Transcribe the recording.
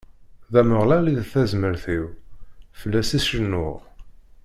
D Ameɣlal i d tazmert-iw, fell-as i cennuɣ.